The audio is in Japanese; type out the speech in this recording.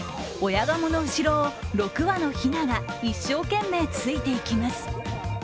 親ガモの後ろを６羽のひなが一生懸命ついていきます。